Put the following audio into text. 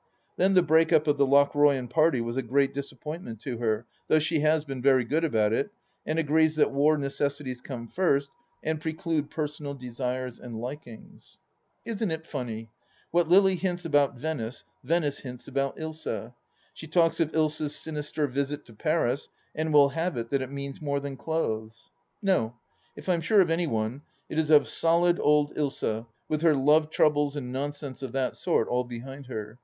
... Then the break up of the Lochroyan party was a great disappointment to her, though she has been very good about it, and agrees that war necessities come first and preclude personal desires and likings. Isn't it funny ? What Lily hints about Venice, Venice hints about Ilsa. She talks of Ilsa's sinister visit to Paris, and will have it that it means more than clothes. ... No. If I'm sure of any one, it is of solid old Ilsa, with her love troubles and nonsense of that sort all behind her.